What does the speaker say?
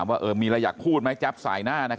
ลูกสาวหลายครั้งแล้วว่าไม่ได้คุยกับแจ๊บเลยลองฟังนะคะ